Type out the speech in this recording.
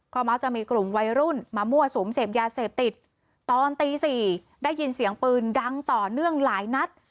มักจะมีกลุ่มวัยรุ่นมามั่วสุมเสพยาเสพติดตอนตี๔ได้ยินเสียงปืนดังต่อเนื่องหลายนัด